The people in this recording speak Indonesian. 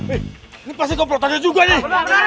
eh ini pasti komporotannya juga nih